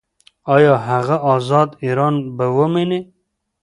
ایا هغه ازاد ایران به وویني؟